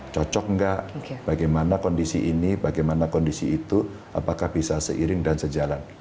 cocok nggak bagaimana kondisi ini bagaimana kondisi itu apakah bisa seiring dan sejalan